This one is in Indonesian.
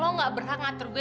lo gak berhak ngatur gue